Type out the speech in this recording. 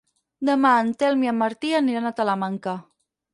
Demà en Telm i en Martí aniran a Talamanca.